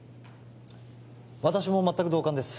私も全く同感です